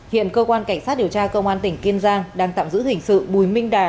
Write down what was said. hiện cơ quan cảnh sát điều tra công an tỉnh kiên giang đang tạm giữ hình sự bùi minh đà